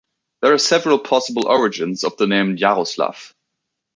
There are several possible origins of the name Jaroslav.